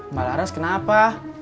mbak laras kenapa